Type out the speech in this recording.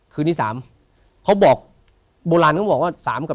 คืนที่สามเค้าบอกบรรจ์เขาบอกว่า๓กับ๗